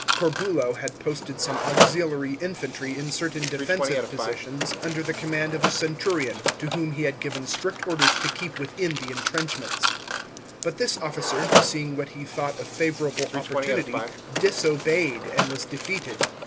Corbulo had posted some auxiliary infantry in certain defensive positions under the command o' a centurion, to whom he had given strict orders to keep within the entrenchments. But this officer seeing what he thought a favourable opportunity, disobeyed and was defeated.